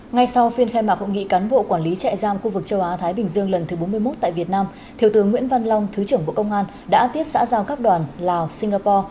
ngay sau phiên khai mạc hội nghị cán bộ quản lý trại giam khu vực châu á thái bình dương lần thứ bốn mươi một tại việt nam thiếu tướng nguyễn văn long thứ trưởng bộ công an đã tiếp xã giao các đoàn lào singapore